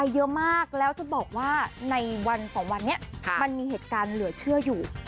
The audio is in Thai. เยอะมากแล้วจะบอกว่าในวันสองวันนี้มันมีเหตุการณ์เหลือเชื่ออยู่